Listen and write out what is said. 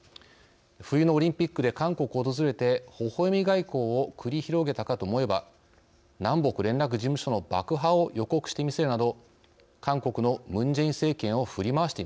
冬のオリンピックで韓国を訪れて微笑外交を繰り広げたかと思えば南北連絡事務所の爆破を予告してみせるなど韓国のムン・ジェイン政権を振り回しています。